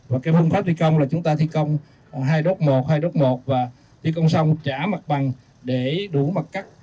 và cái phương pháp thi công là chúng ta thi công hai đốt một hai đốt một và thi công xong trả mặt bằng để đủ mặt cắt